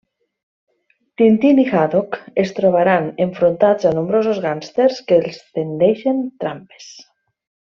Tintin i Haddock es trobaran enfrontats a nombrosos gàngsters que els tendeixen trampes.